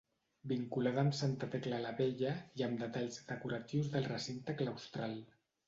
Vinculada amb Santa Tecla la Vella i amb detalls decoratius del recinte claustral.